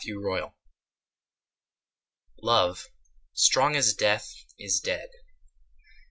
AN END Love, strong as Death, is dead.